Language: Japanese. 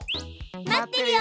待ってるよ！